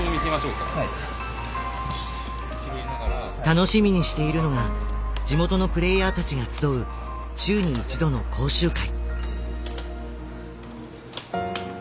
楽しみにしているのが地元のプレイヤーたちが集う週に１度の講習会。